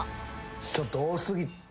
ちょっと多過ぎて。